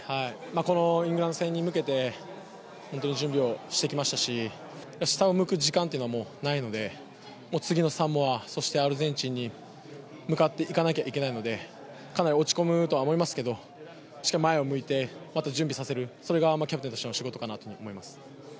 このイングランド戦に向けて本当に準備をしてきましたし、下を向く時間っていうのはもうないので、もう次のサモア、そしてアルゼンチンに向かっていかなきゃいけないので、かなり落ち込むとは思いますけど、しっかり前を向いて、また準備させる、それがキャプテンとしての仕事かなと思います。